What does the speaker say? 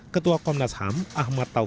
ketua komnas ham ahmad tauf